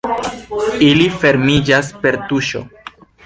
Ili fermiĝas per tuŝo.